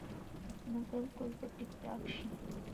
نو بالکل به ټيک ټاک شي -